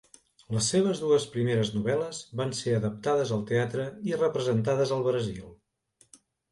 Les seves dues primeres novel·les van ser adaptades al teatre i representades al Brasil.